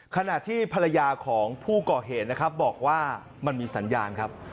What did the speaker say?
ขณะที่ภรรยาของผู้ก่อเหตุนะครับบอกว่ามันมีสัญญาณครับ